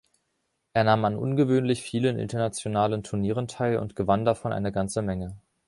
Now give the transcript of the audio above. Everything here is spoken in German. Er nahm an ungewöhnlich vielen internationalen Turnieren teil und gewann davon eine ganze Menge.